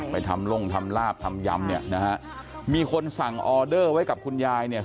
ทำลงทำลาบทำยำเนี่ยนะฮะมีคนสั่งออเดอร์ไว้กับคุณยายเนี่ย